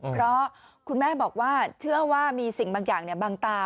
เพราะคุณแม่บอกว่าเชื่อว่ามีสิ่งบางอย่างบางตา